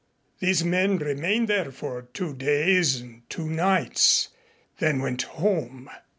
These men remained there for two days and two nights and then went home.